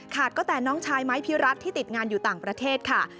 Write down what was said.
ก็แต่น้องชายไม้พิรัตนที่ติดงานอยู่ต่างประเทศค่ะ